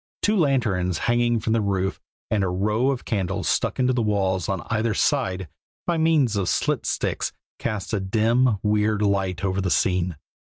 Two lanterns hanging from the roof and a row of candles stuck into the wall on either side by means of slit sticks cast a dim, weird light over the scene.